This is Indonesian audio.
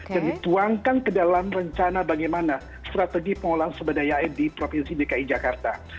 jadi tuangkan ke dalam rencana bagaimana strategi pengelolaan sembadaya air di provinsi dki jakarta